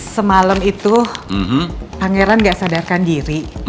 semalam itu pangeran gak sadarkan diri